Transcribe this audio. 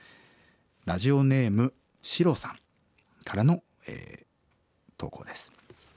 ラジオネームシロさんからの投稿です。